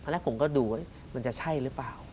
แล้วผมก็ดูแล้วอาจจะใช่หรือเปล่า